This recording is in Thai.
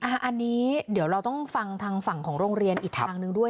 อันนี้เดี๋ยวเราต้องฟังทางฝั่งของโรงเรียนอีกทางหนึ่งด้วย